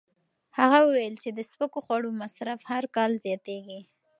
هغه وویل چې د سپکو خوړو مصرف هر کال زیاتېږي.